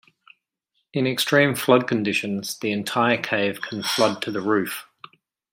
In extreme flood conditions the entire cave can flood to the roof.